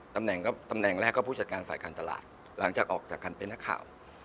ตำแหน่งก็ตำแหน่งแรกก็ผู้จัดการฝ่ายการตลาดหลังจากออกจากการเป็นนักข่าว